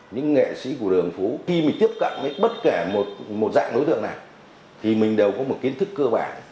những nghệ sĩ của đường phố khi mình tiếp cận với bất kể một dạng đối tượng này thì mình đều có một kiến thức cơ bản